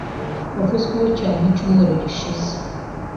yavuzweho cyane mu cyumweru gishize,